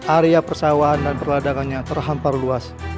area persawahan dan perladangannya terhampar luas